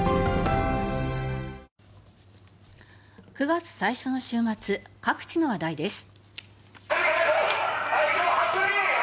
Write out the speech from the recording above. ９月最初の週末各地の話題です。